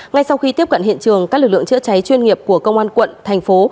ngay sau khi tiếp cận hiện trường các lực lượng chữa cháy chuyên nghiệp của công an quận thành phố